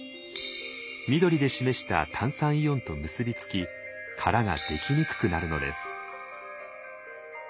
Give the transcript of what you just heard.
緑で示した炭酸イオンと結びつき殻ができにくくなるのです。